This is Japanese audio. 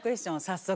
早速。